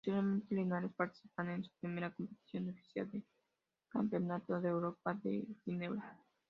Posteriormente, Linares participaría en su primera competición oficial, el Campeonato de Europa de Ginebra.